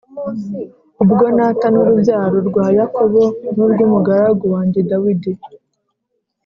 ubwo nata n urubyaro rwa Yakobo n urw umugaragu wanjye Dawidi